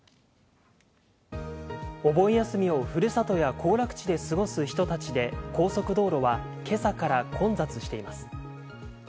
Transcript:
お盆休みをふるさとや行楽地で過ごす人たちで高速道路は、けさから混雑しています。